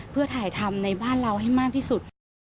เพื่อถ่ายทำในบ้านเราให้มากที่สุด